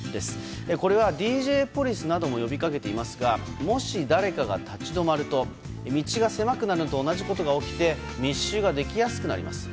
これはＤＪポリスなども呼びかけていますがもし誰かが立ち止まると道が狭くなるのと同じことが起きて密集ができやすくなります。